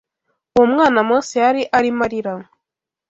Uwo mwana Mose yari arimo arira